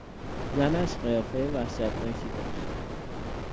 زنش قیافهی وحشتناکی داشت.